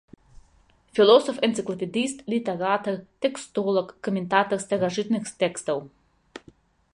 Філосаф-энцыклапедыст, літаратар, тэкстолаг, каментатар старажытных тэкстаў.